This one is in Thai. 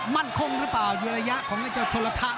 มั่นคงหรือเปล่าเยืองะอย่างของเจ้าทศลธาร